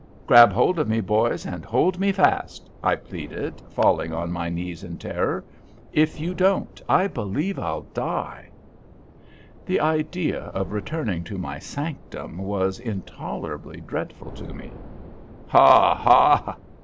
"Grab hold of me, boys, and hold me fast," I pleaded, falling on my knees in terror. "If you don't, I believe I'll die." The idea of returning to my sanctum was intolerably dreadful to me. "Ha! ha!"